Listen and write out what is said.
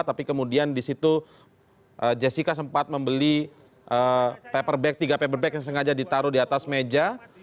tapi kemudian di situ jessica sempat membeli paper bag tiga paper bag yang sengaja ditaruh di atas meja